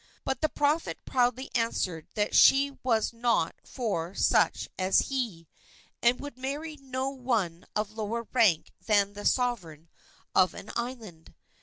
But the prophet proudly answered that she was not for such as he, and would marry no one of lower rank than the sovereign of an island.